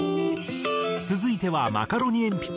続いてはマカロニえんぴつ